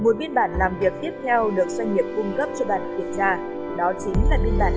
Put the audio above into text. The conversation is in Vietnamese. một biên bản làm việc tiếp theo được doanh nghiệp cung cấp cho đoàn kiểm tra đó chính là biên bản